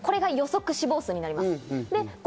これは予測死亡数になります。